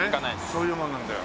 そういうもんなんだよ。